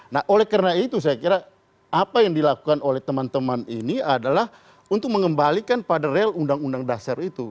nah oleh karena itu saya kira apa yang dilakukan oleh teman teman ini adalah untuk mengembalikan pada real undang undang dasar itu